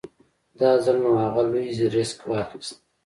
دا ځل نو اغه لوی ريسک واخېست.